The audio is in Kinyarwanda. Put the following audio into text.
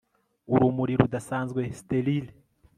urumuri rudasanzwe sterile